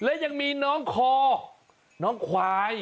และยังมีน้องคอน้องควาย